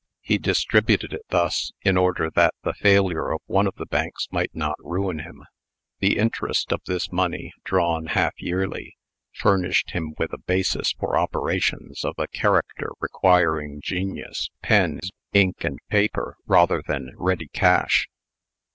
He distributed it thus, in order that the failure of one of the banks might not ruin him. The interest of this money, drawn half yearly, furnished him with a basis for operations of a character requiring genius, pens, ink, and paper, rather than ready cash.